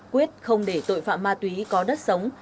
quyết không để tội phạm ma túy có đất sống